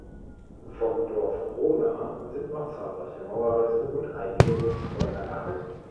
Vom Dorf Rohna sind noch zahlreiche Mauerreste und einige Obstbäume erhalten.